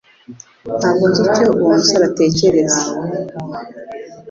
Ntabwo nzi icyo uwo musore atekereza.